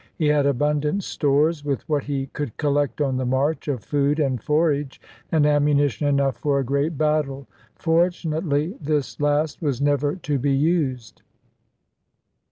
He had abundant stores, with what he could collect on the march, of food and forage, and ammunition enough for a great battle. Fortunately, this last was never to be used.